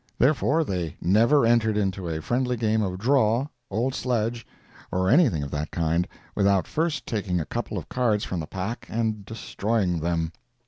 Therefore, they never entered into a friendly game of "draw," "old sledge," or anything of that kind, without first taking a couple of cards from the pack and destroying them.